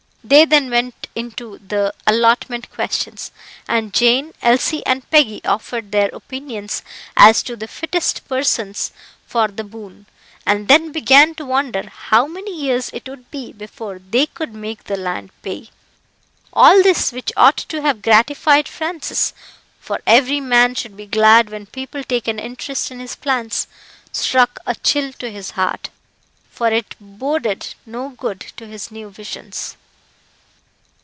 They then went into the allotment questions, and Jane, Elsie, and Peggy, offered their opinions as to the fittest persons for the boon, and then began to wonder how many years it would be before they could make the land pay. All this, which ought to have gratified Francis for every man should be glad when people take an interest in his plans struck a chill to his heart, for it boded no good to his new visions.